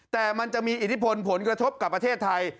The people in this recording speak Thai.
แต่มันจะมีอิทธิพลผลกระทบกับประเทศไทย